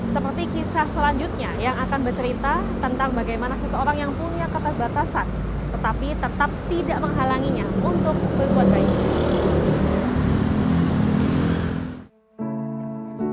seperti kisah selanjutnya yang akan bercerita tentang bagaimana seseorang yang punya keterbatasan tetapi tetap tidak menghalanginya untuk berbuat baik